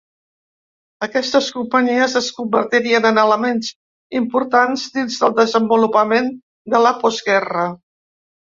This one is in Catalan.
Aquestes companyies es convertirien en elements importants dins del desenvolupament de la postguerra.